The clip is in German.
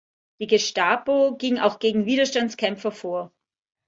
Die Gestapo ging auch gegen Widerstandskämpfer vor.